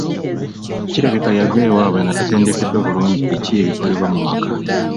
Kirabika yava ewaabwe nga tatendekeddwa bulungi biki ebikolebwa mu maka.